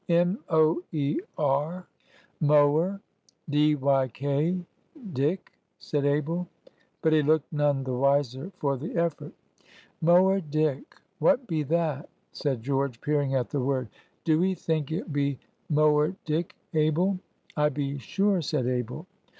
"M O E R, mower; D Y K, dik," said Abel. But he looked none the wiser for the effort. "Mower dik! What be that?" said George, peering at the word. "Do'ee think it be Mower dik, Abel?" "I be sure," said Abel.